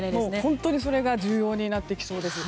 本当にそれが重要になりそうです。